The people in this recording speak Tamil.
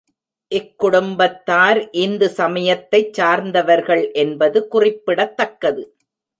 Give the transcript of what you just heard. இக்குடும்பத்தார் இந்து சமயத்தைச் சார்ந்தவர்கள் என்பது குறிப்பிடத்தக்கது.